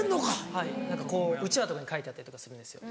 はいうちわとかに書いてあったりとかするんですよ。